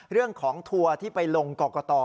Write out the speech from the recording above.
เรื่องของทัวร์ที่ไปลงกรอกกะตอ